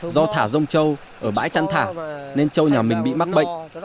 do thả rông châu ở bãi chăn thả nên châu nhà mình bị mắc bệnh